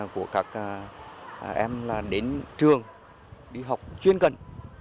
của các em là đến trường đi học chuyên gần